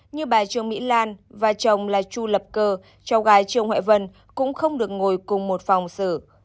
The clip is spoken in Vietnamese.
như bà trường mỹ lan và chồng là chu lập cơ cháu gái trường hội vân cũng không được ngồi cùng một phòng xử